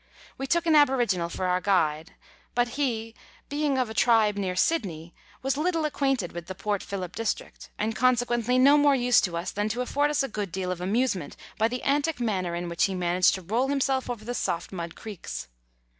We took an aboriginal for our guide, but he, being of a tribe near Sydney, was little acquainted with the Port Phillip district, and, consequently, no more use to us than to afford us a good deal of amusement by the antic man ner in which he managed to roll himself over the soft mud creeks.